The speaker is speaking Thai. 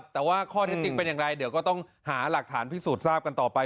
แต่ว่าข้อเท็จจริงเป็นอย่างไรเดี๋ยวก็ต้องหาหลักฐานพิสูจน์ทราบกันต่อไป